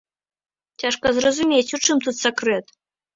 Цяжка зразумець, у чым тут сакрэт.